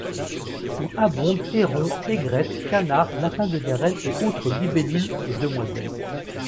Y abondent hérons, aigrettes, canards, lapins de garenne et autres libellules et demoiselles.